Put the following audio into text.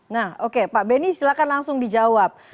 nah oke pak benny silahkan langsung dijawab